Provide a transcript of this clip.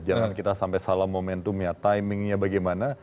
jangan kita sampai salah momentumnya timingnya bagaimana